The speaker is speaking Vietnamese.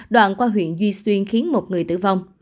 đoạn qua huyện duy xuyên khiến một người tử vong